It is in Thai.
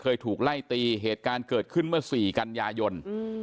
เคยถูกไล่ตีเหตุการณ์เกิดขึ้นเมื่อ๔กันยายน